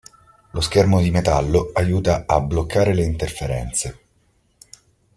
Lo schermo di metallo aiuta a bloccare le interferenze.